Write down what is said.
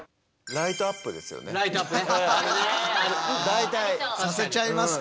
ライトアップ。